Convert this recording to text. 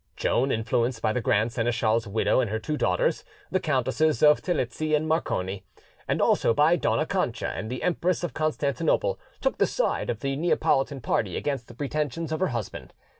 Joan, influenced by the grand seneschal's widow and her two daughters, the Countesses of Terlizzi and Morcone, and also by Dona Cancha and the Empress of Constantinople, took the side of the Neapolitan party against the pretensions of her husband.